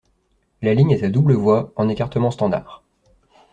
La ligne est à double voie, en écartement standard.